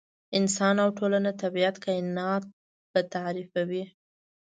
انسان او ټولنه، طبیعت، کاینات به تعریفوي.